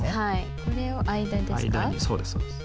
これを間ですか？